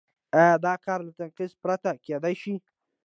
آیا دا کار له تناقض پرته کېدای شي؟